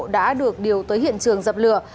đã được điều tới hiện trường dập lửa